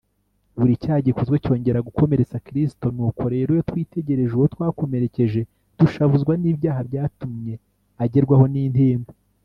buri cyaha gikozwe cyongera gukomeretsa kristo, nuko rero iyo twitegereje uwo twakomerekeje, dushavuzwa n’ibyaha byatumye agerwaho n’intimba